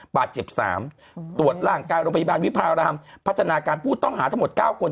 บาดเจ็บ๓ตรวจร่างกายโรงพยาบาลวิพารามพัฒนาการผู้ต้องหาทั้งหมด๙คน